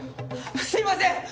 すいません！